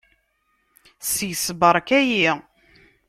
Seg-s beṛka-yi.